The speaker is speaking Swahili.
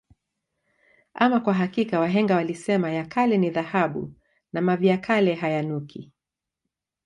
Ama kwa hakika wahenga walisema ya kale ni dhahabu na mavi ya kale ayanuki